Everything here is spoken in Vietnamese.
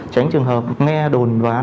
tránh trường hợp nghe đồn ván